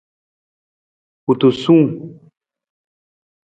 Kutusung.